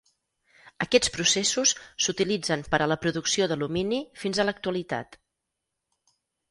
Aquests processos s’utilitzen per a la producció d’alumini fins a l'actualitat.